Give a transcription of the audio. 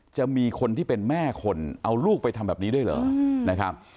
จะมีคนที่เป็นแม่คนเอาลูกไปทำแบบนี้ด้วยเหรอนะครับ